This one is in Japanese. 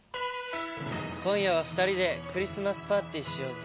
今夜は２人でクリスマスパーティーしようぜ。